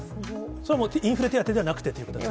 それはもう、インフレ手当じゃなくてということですか？